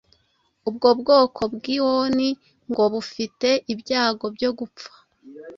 Ubwo bwoko bwioni ngo bufite ibyago byo gupfa.